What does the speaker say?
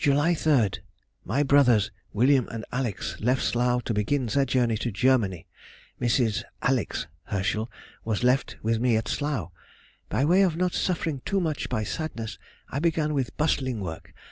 July 3.—My brothers William and Alex. left Slough to begin their journey to Germany. Mrs. [Alex.] Herschel was left with me at Slough. By way of not suffering too much by sadness, I began with bustling work.